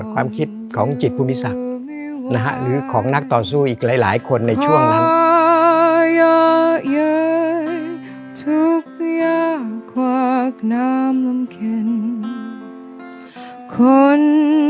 ความคิดของจิตภูมิศักดิ์หรือของนักต่อสู้อีกหลายคนในช่วงนั้น